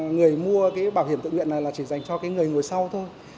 người mua bảo hiểm tự nguyện này chỉ dành cho người ngồi sau thôi